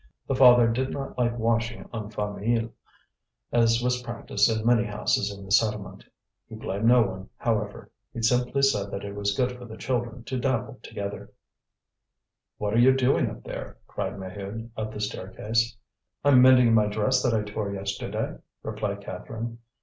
The father did not like washing en famille, as was practised in many houses in the settlement. He blamed no one, however; he simply said that it was good for the children to dabble together. "What are you doing up there?" cried Maheude, up the staircase. "I'm mending my dress that I tore yesterday," replied Catherine.